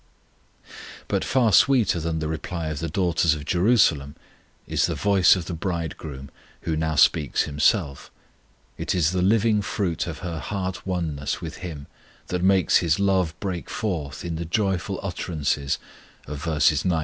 But far sweeter than the reply of the daughters of Jerusalem is the voice of the Bridegroom, who now speaks Himself. It is the living fruit of her heart oneness with Him that makes His love break forth in the joyful utterances of verses 9 11.